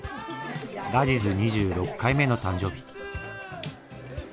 ラジズ２６回目の誕生日。